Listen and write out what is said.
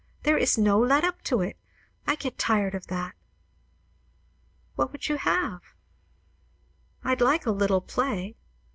There is no let up to it. I get tired of that." "What would you have?" "I'd like a little play."